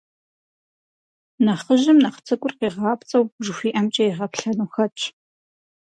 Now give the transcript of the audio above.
Нэхъыжьым нэхъ цӏыкӏур, къигъапцӏэу, жыхуиӏэмкӏэ игъэплъэну хэтщ.